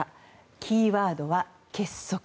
キーワードは結束。